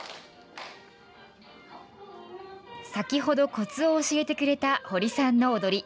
先ほど、コツを教えてくれた堀さんの踊り。